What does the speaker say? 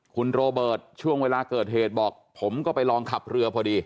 คุณโรเบิร์ตช่วงเวลาเกิดเหตุบอกผมก็ไปลองขับเรือพอดี